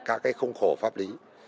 các cái khung khổ pháp lý